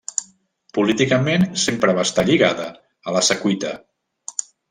Políticament sempre va estar lligada a la Secuita.